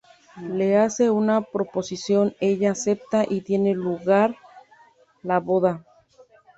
Le hace una proposición, ella acepta, y tiene lugar la boda.